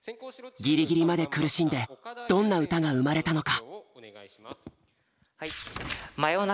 ギリギリまで苦しんでどんな歌が生まれたのか。